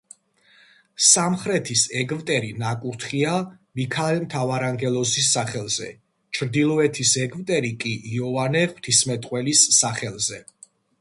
სამხრეთის ეგვტერი ნაკურთხია მიქაელ მთავარანგელოზის სახელზე, ჩრდილოეთის ეგვტერი კი იოანე ღვთისმეტყველის სახელზე.